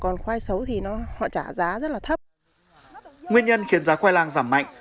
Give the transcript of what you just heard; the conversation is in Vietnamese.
nguyên nhân khiến giá khoai lang giảm mạnh